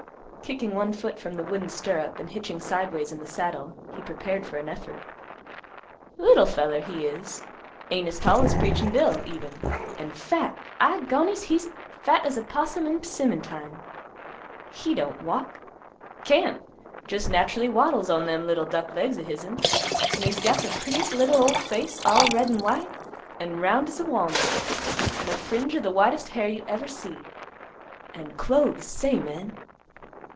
Kicking one foot from the wooden stirrup and hitching sideways in the saddle, he prepared for an effort. "Little feller, he is. Ain't as tall as Preachin' Bill even, an' fat! I gonies! he's fat as a possum 'n 'simmon time. He don't walk, can't; just naturally waddles on them little duck legs o' hisn. An' he's got th' prettiest little ol' face; all red an' white, an' as round's a walnut; an' a fringe of th' whitest hair you ever seed. An' clothes! Say, men."